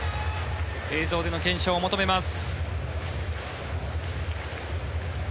映像での検証を求めます。